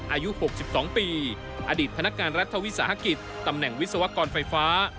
อายุ๖๒ปีอดีตพนักงานรัฐวิสาหกิจตำแหน่งวิศวกรไฟฟ้า